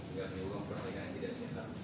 dengan mengurang pertandingan yang tidak sehat